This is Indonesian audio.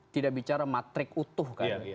tidak bicara matrik utuh